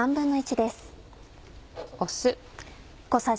酢。